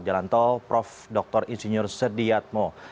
jalan tol prof dr insinyur sediat mo